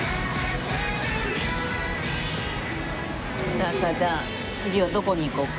さあさあじゃあ次はどこに行こうか？